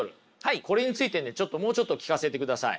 これについてねちょっともうちょっと聞かせてください。